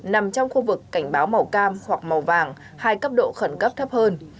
nằm trong khu vực cảnh báo màu cam hoặc màu vàng hai cấp độ khẩn cấp thấp hơn